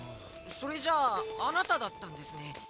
それじゃああなただったんですね。